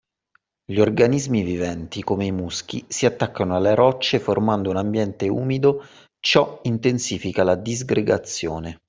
Gli organismi viventi come i muschi si attaccano alle rocce formando un ambiente umido ciò intensifica la disgregazione.